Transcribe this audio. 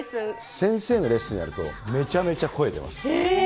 先生のレッスンやると、めちゃめちゃ声出ます。